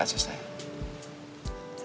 yang dia sanggup pilih